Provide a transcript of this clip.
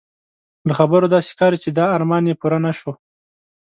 له خبرو داسې ښکاري چې دا ارمان یې پوره نه شو.